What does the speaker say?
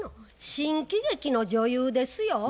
新喜劇の女優ですよ？